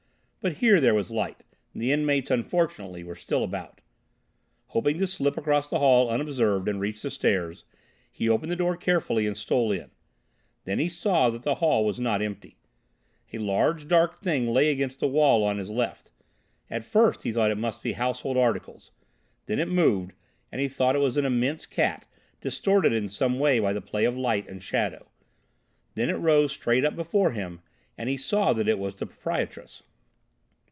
But here there was light; the inmates, unfortunately, were still about. Hoping to slip across the hall unobserved and reach the stairs, he opened the door carefully and stole in. Then he saw that the hall was not empty. A large dark thing lay against the wall on his left. At first he thought it must be household articles. Then it moved, and he thought it was an immense cat, distorted in some way by the play of light and shadow. Then it rose straight up before him and he saw that it was the proprietress.